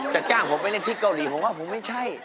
จ้างผมไปเล่นที่เกาหลีผมว่าผมไม่ใช่